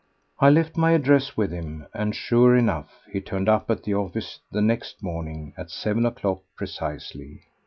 I left my address with him, and sure enough, he turned up at the office the next morning at seven o'clock precisely.